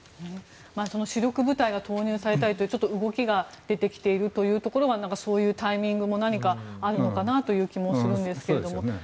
主力部隊が投入されたりと動きが出てきているのもそういうタイミングも何かあるのかなという気もするんですが。